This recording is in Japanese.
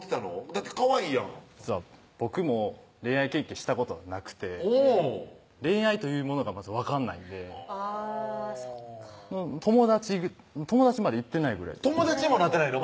だってかわいいやん実は僕も恋愛経験したことなくて恋愛というものがまず分かんないんで友達までいってないぐらい友達にもなってないの？